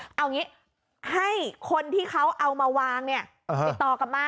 เอาอย่างงี้ให้คนที่เค้าเอามาวางติดตอกลับมา